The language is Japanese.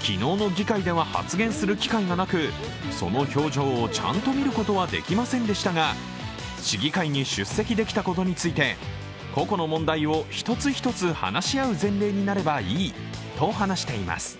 昨日の議会では発言する機会がなく、その表情をちゃんと見ることはできませんでしたが市議会に出席できたことについて個々の問題を一つ一つ話し合う前例になればいいと話しています。